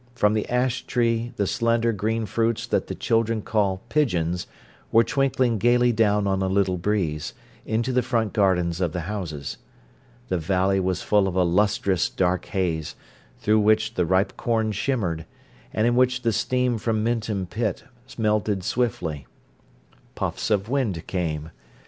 From the ash tree the slender green fruits that the children call "pigeons" were twinkling gaily down on a little breeze, into the front gardens of the houses. The valley was full of a lustrous dark haze, through which the ripe corn shimmered, and in which the steam from Minton pit melted swiftly. Puffs of wind came.